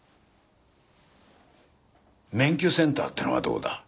免許センターってのはどうだ？